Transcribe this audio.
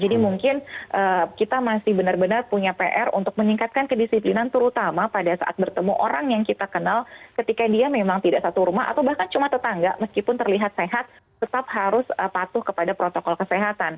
jadi mungkin kita masih benar benar punya pr untuk meningkatkan kedisiplinan terutama pada saat bertemu orang yang kita kenal ketika dia memang tidak satu rumah atau bahkan cuma tetangga meskipun terlihat sehat tetap harus patuh kepada protokol kesehatan